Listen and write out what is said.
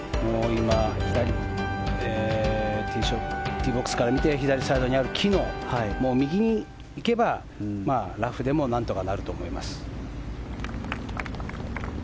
ティーボックスから見て左サイドにある木の右に行けばラフでもなんとかなると思います。